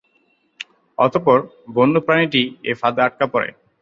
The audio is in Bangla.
অতঃপর বন্য প্রাণীটি এ ফাঁদে আটকা পড়ে।